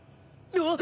あっ。